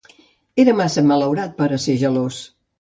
Era massa malaurat per a ésser gelós.